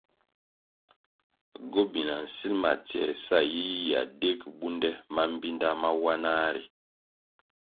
Gobina nsilʼ ma tsioē sa yiyia dig bundè mambpinda mawanah ri.